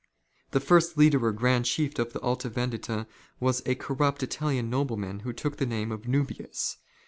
The first leader or grand chief of the Alta Vendita was a corrupt Italian nobleman who took the name of NuUus.